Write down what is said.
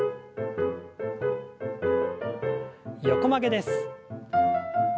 横曲げです。